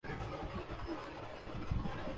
لیکن دنیا بھر میں مقبول اس ڈارمے کا مرکزی کردار ارطغرل